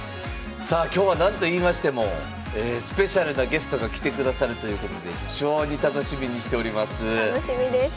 さあ今日は何といいましてもスペシャルなゲストが来てくださるということで非常に楽しみにしております。